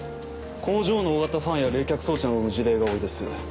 工場の大型ファンや冷却装置などの事例が多いです。